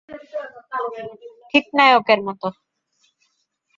ঠিক নায়কের মতো।